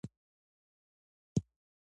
غول د خرما نرمي اخلي.